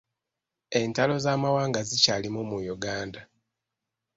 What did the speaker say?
Entalo z'amawanga zikyalimu mu Uganda.